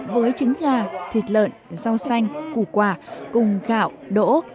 với trứng gà thịt lợn rau xanh củ quả cùng gạo đỗ